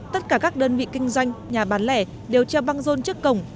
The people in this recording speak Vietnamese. tất cả các đơn vị kinh doanh nhà bán lẻ đều treo băng rôn trước cổng